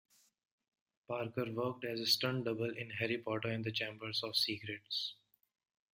Parker worked as a stunt double in "Harry Potter and the Chamber of Secrets".